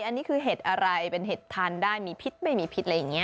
อันนี้คือเห็ดอะไรเป็นเห็ดทานได้มีพิษไม่มีพิษอะไรอย่างนี้